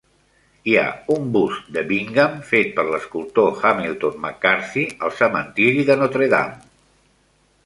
Hi ha un bust de Bingham fet per l"escultor Hamilton MacCarthy al cementiri de Notre-Dame.